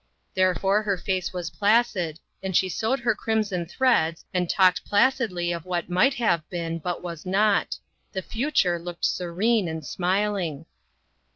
Therefore her face was placid, and she sewed her crimson threads and talked placidly of what might have been, but was not; the future looked secure and smiling.